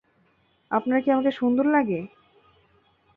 আপনার কি আমাকে সুন্দর লাগে?